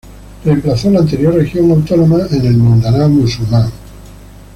Reemplazó la anterior Región Autónoma en Mindanao Musulmán.